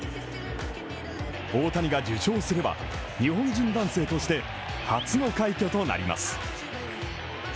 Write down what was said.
大谷が受賞すれば日本人男性として初の快挙となります。